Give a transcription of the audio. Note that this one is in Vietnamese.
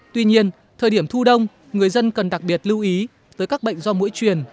tuy nhiên thời điểm thu đông người dân cần đặc biệt lưu ý tới các bệnh do mũi truyền